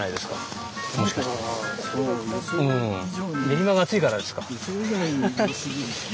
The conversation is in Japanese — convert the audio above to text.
練馬が暑いからですか。